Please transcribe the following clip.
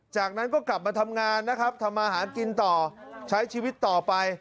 จากนั้นก็กลับมาทำงานนะครับทำมาหากินต่อใช้ชีวิตต่อไป